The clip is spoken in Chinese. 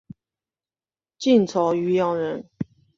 晋朝渔阳人。